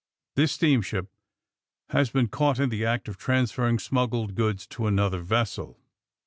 This steam ship has been caught in the act of transferring smuggled goods to another vessel.